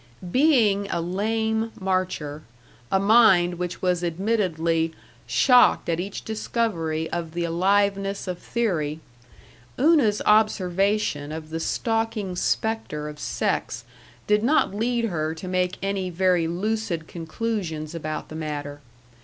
Being a lame marcher, a mind which was admittedly "shocked at each discovery of the aliveness of theory," Una's observation of the stalking specter of sex did not lead her to make any very lucid conclusions about the matter.